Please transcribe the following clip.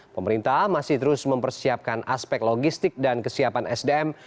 pemerintah masih terus mempersiapkan aspek logistik dan kesiapan sdm